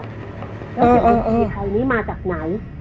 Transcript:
ดนตรีไทยนี้มาจากไหน